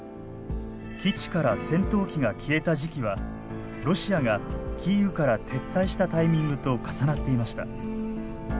基地から戦闘機が消えた時期はロシアがキーウから撤退したタイミングと重なっていました。